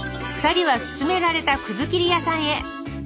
２人はすすめられたくずきり屋さんへ。